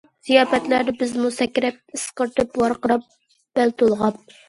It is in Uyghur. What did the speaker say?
زىياپەتلەردە بىزمۇ سەكرەپ، ئىسقىرتىپ، ۋارقىراپ، بەل تولغاپ...